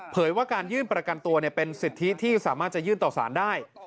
ว่าการยื่นประกันตัวเป็นสิทธิที่สามารถจะยื่นต่อสารได้